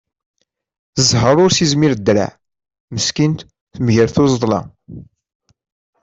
Zher ur s-izmir ddreɛ, meskint temger tuẓedla.